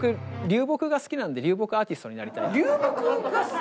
「流木が好きなんで流木アーティスト」？